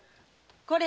これ！